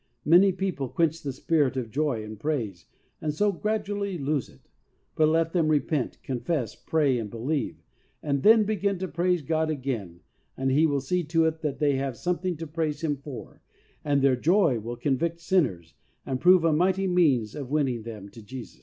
Many people quench the Spirit of joy and praise, and so gradually lose it. But let them repent, con fess, pray and believe and then begin to praise God again and He will see to it that they have something to praise Him for, and their joy will convict sinners and prove a mighty means of winning them to Jesus.